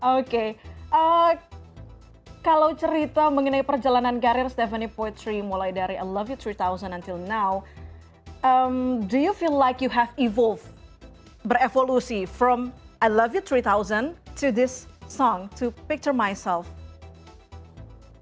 oke kalau cerita mengenai perjalanan karir stephanie poetry mulai dari i love you tiga ribu sampai sekarang apakah kamu merasa seperti kamu ber evolusi dari i love you tiga ribu sampai ke lagu ini untuk mempengaruhi diri sendiri